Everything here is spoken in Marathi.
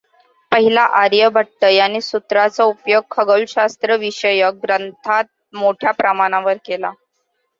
पहिला आर्यभट्ट याने सूत्रांचा उपयोग खगोलशास्त्र विषयक ग्रंथांत मोठ्या प्रमाणावर केला.